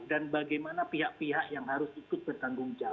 dan bagaimana pihak pihak yang harus ikut bertanggung jawab